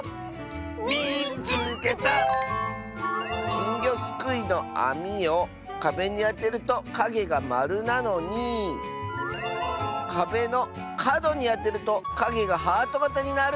「きんぎょすくいのあみをかべにあてるとかげがまるなのにかべのかどにあてるとかげがハートがたになる！」。